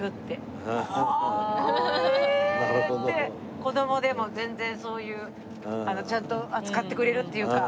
子供でも全然そういうちゃんと扱ってくれるっていうか。